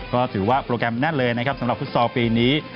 ก็ถือว่าโปรแกรมแน่นเลยนะครับสำหรับฟุตซอลปีนี้